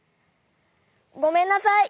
ごめんなさい。